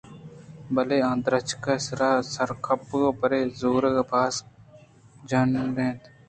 بلے آ درچک ءِ سر ءَ سرکپگ ءُ بر ءِ زُورگ ءَ باز جانبنڈ اَت.